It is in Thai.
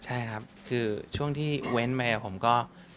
ใช่ใช่ครับคือช่วงที่เว้นไปกับผมก็